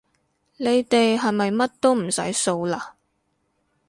你哋係咪乜都唔使掃嘞